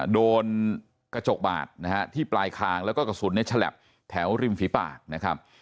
โดนกระจกบาดนะฮะที่ปลายคางแล้วก็กระสุนในฉลับแถวริมฝีปากนะครับ